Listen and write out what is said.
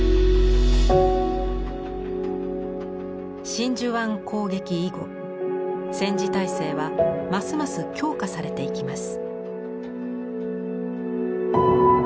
真珠湾攻撃以後戦時体制はますます強化されていきます。